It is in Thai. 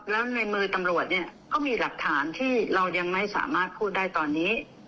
แล้วในมือตำรวจเนี่ยก็มีหลักฐานที่เรายังไม่สามารถพูดได้ตอนนี้